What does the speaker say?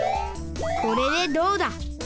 これでどうだ。